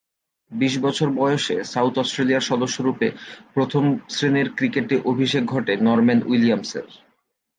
বিশ বছর বয়সে সাউথ অস্ট্রেলিয়ার সদস্যরূপে প্রথম-শ্রেণীর ক্রিকেটে অভিষেক ঘটে নরম্যান উইলিয়ামসের।